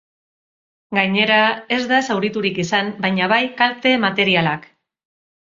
Gainera, ez da zauriturik izan, baina bai kalte materialak.